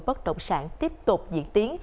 bất đồng sản tiếp tục diễn tiến